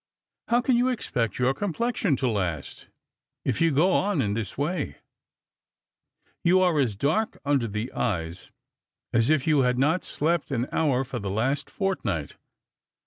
How can you expect your complexion to last, if you go on in this way ? You are as dark under the eyes as if you had not slept an hour for the last fortnight.